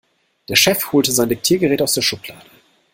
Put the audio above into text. Der Chef holte sein Diktiergerät aus der Schublade.